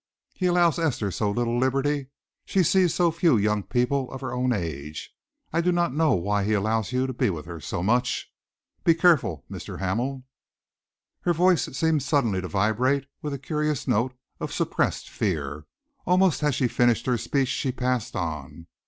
"He allows Esther so little liberty, she sees so few young people of her own age. I do not know why he allows you to be with her so much. Be careful, Mr. Hamel." Her voice seemed suddenly to vibrate with a curious note of suppressed fear. Almost as she finished her speech, she passed on.